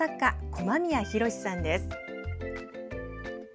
駒宮洋さんです。